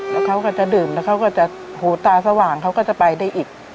แล้วเขาก็จะดื่มแล้วเขาก็จะหูตาสว่างเขาก็จะไปได้อีก